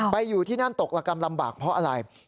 อยู่ที่นั่นตกระกำลำบากเพราะอะไร